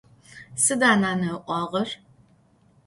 Sıda nane ı'uağer?